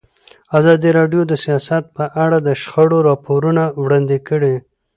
ازادي راډیو د سیاست په اړه د شخړو راپورونه وړاندې کړي.